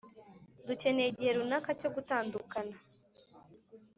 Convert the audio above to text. dukeneye igihe runaka cyo gutandukana